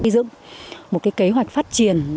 giữ một kế hoạch phát triển